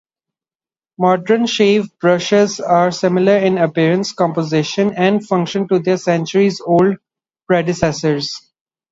Modern shave brushes are similar in appearance, composition and function to their centuries-old predecessors.